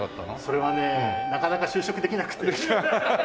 それはねなかなか就職できなくて。